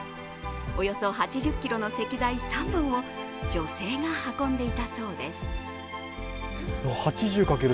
およそ８０ｋｍの石材３本を女性が運んでいたそうです。